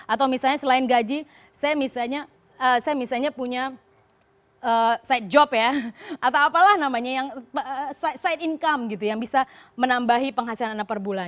atau misalnya selain gaji saya misalnya punya side job ya atau apalah namanya yang side income gitu yang bisa menambahi penghasilan anak per bulan